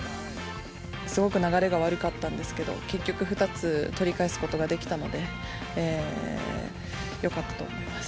すごく流れが悪かったんですけど、結局、２つ取り返すことができたので、よかったと思います。